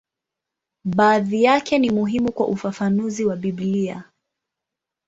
Baadhi yake ni muhimu kwa ufafanuzi wa Biblia.